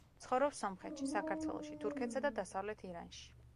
ცხოვრობს სომხეთში, საქართველოში, თურქეთსა და დასავლეთ ირანში.